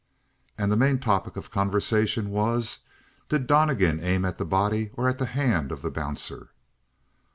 And the main topic of conversation was: Did Donnegan aim at the body or the hand of the bouncer?